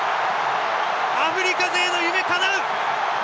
アフリカ勢の夢かなう！